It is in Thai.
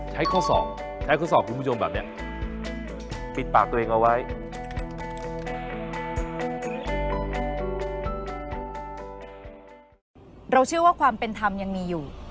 ใช้ข้อสอบใช้ข้อสอบคุณผู้ชมแบบนี้